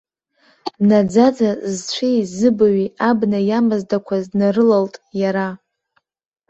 Наӡаӡа зцәеи-зыбаҩи абна иамаздақәаз днарылалт иара.